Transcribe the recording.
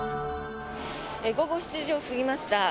午後７時を過ぎました。